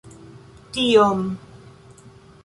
tiom